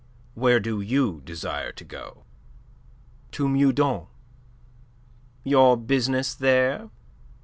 Where do you desire to go?" "To Meudon." "Your business there?"